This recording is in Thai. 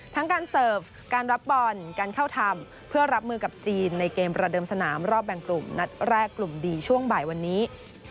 ทั้งการเสิร์ฟการรับบอลการเข้าทำเพื่อรับมือกับจีนในเกมประเดิมสนามรอบแบ่งกลุ่มนัดแรกกลุ่มดีช่วงบ่ายวันนี้